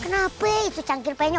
kenapa itu cangkir penyok